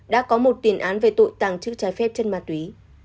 đã có một tiền án về tội tàng trữ trái phép chân ma túy